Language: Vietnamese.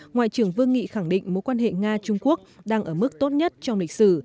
ngoại trưởng vương nghị khẳng định mối quan hệ nga trung quốc đang ở mức tốt nhất trong lịch sử